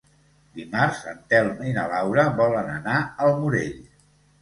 Dimarts en Telm i na Laura volen anar al Morell.